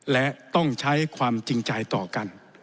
และต้องใช้ความจริงใจต่อกัน